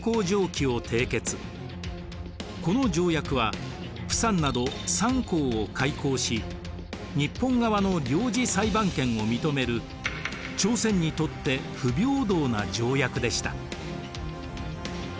この条約は釜山など３港を開港し日本側の領事裁判権を認める朝鮮にとって不平等な条約でした。